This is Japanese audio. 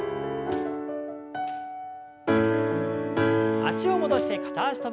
脚を戻して片脚跳び。